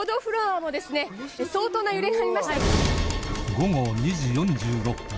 午後２時４６分